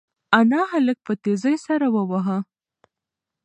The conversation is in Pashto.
انا هلک په تېزۍ سره وواهه.